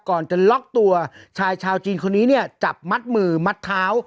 ก่อนจะล็อกตัวชายชาวจีนคนนี้เนี่ยจับมัดมือมัดเท้า